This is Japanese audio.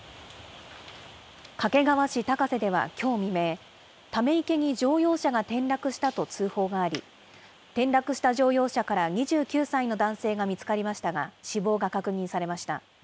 掛川市高瀬ではきょう未明、ため池に乗用車が転落したと通報があり、転落した乗用車から２９歳の男性が見つかりましたが、死亡が確認されました。